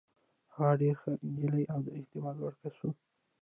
هغه ډېره ښه نجلۍ او د اعتماد وړ کس وه.